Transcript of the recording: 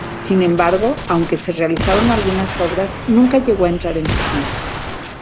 Sin embargo, aunque se realizaron algunas obras, nunca llegó a entrar en servicio.